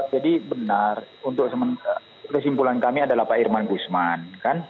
jadi benar untuk kesimpulan kami adalah pak irman gusman